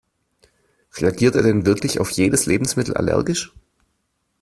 Reagiert er denn wirklich auf jedes Lebensmittel allergisch?